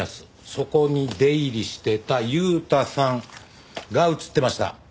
そこに出入りしてた悠太さんが映ってました。